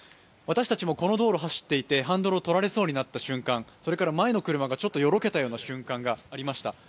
私たちもこの道路走っていてハンドルをとられそうになる瞬間、それから前の車が少しよろけたような瞬間がありました。